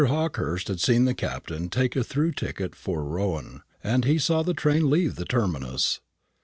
Hawkehurst had seen the Captain take a through ticket for Rouen, and he saw the train leave the terminus.